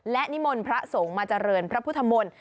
และนิมนต์พระสงฆ์มาเจริญพระพุทธมนต์